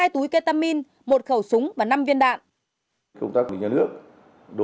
hai túi ketamin một khẩu sốt